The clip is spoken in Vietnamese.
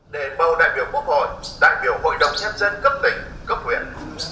để bầu đại biểu quốc hội đại biểu hội đồng nhân dân cấp tỉnh cấp huyện